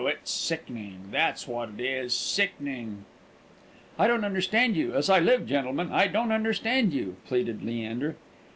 It's sickening, that's what it is, sickening!" "I don't understand you as I live, gentlemen, I don't understand you!" pleaded Leander.